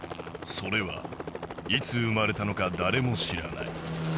それはいつ生まれたのか誰も知らない